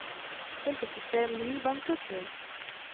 Tento systém nyní bankrotuje.